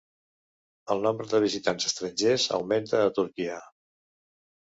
El nombre de visitants estrangers augmenta a Turquia